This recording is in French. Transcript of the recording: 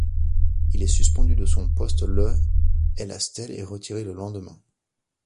Il est suspendu de son poste le et la stèle est retirée le lendemain.